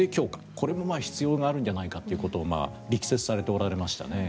これも必要があるんじゃないかということを力説されておられましたね。